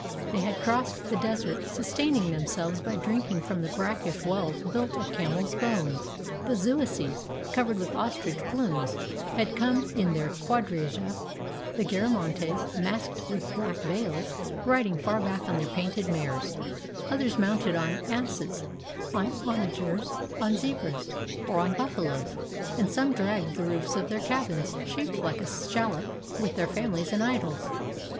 They had crossed the desert, sustaining themselves by drink ing from the brackish wells built of camels' bones: the Zuaeces, covered with ostrich plumes, had come in their quadriga; the Garamantes, masked with black veils, rid ing far back on their painted mares; others mounted on asses, on onagers, on zebras; or on buffaloes; and some dragged the roofs of their cabins, shaped like a shallop, with their families and idols.